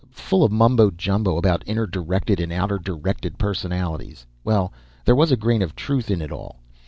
Full of mumbo jumbo about "inner directed" and "outer directed" personalities. Well, there was a grain of truth in it all.